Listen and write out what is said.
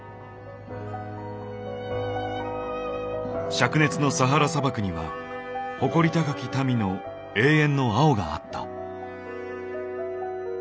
しゃく熱のサハラ砂漠には誇り高き民の永遠の青があった。